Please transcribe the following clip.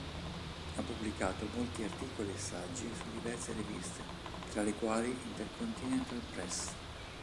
Ha pubblicato molti articoli e saggi su diverse riviste tra le quali Intercontinental Press.